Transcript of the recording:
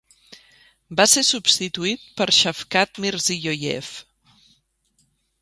Va ser substituït per Shavkat Mirziyoyev.